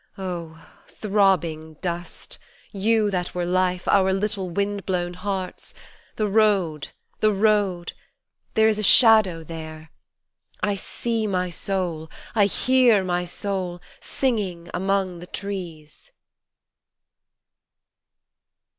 Oh ! throbbing dust, You that were life, our little wind blown hearts ! The road ! the road ! There is a shadow there : I see my soul, I hear my soul, singing among the trees